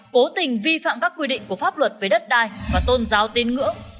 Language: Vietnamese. cố tình vi phạm các quy định của pháp luật về đất đai và tôn giáo tín ngưỡng